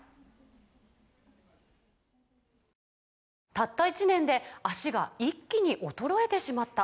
「たった１年で脚が一気に衰えてしまった」